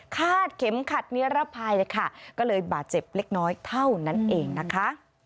เข็มขัดนิรภัยเลยค่ะก็เลยบาดเจ็บเล็กน้อยเท่านั้นเองนะคะ